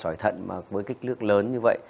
sỏi thận với kích lước lớn như vậy